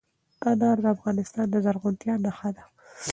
انار د افغانستان د زرغونتیا نښه ده.